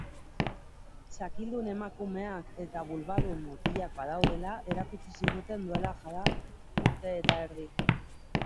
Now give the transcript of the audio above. Zakildun emakumeak eta bulbadun mutilak badaudela erakutsi ziguten duela jada urte eta erdi.